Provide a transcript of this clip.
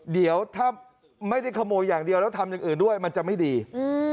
เดี๋ยวถ้าไม่ได้ขโมยอย่างเดียวแล้วทำอย่างอื่นด้วยมันจะไม่ดีอืม